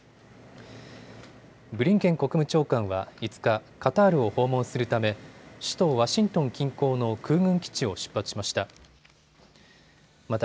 ブリンケン国務長官は５日、カタールを訪問するため首都ワシントン近郊の空軍基地を出発しました。